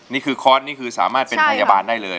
นี่คือคอร์สนี่คือสามารถเป็นพยาบาลได้เลย